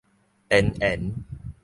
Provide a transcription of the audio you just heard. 邊緣